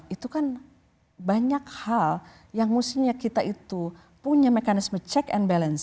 itu kan banyak hal yang mestinya kita itu punya mekanisme check and balance